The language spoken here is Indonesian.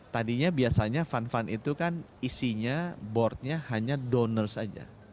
tadinya biasanya fund fund itu kan isinya board nya hanya donors saja